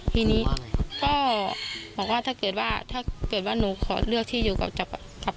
อย่างงี้ค่ะ